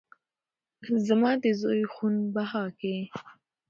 زما د زوى خون بها کې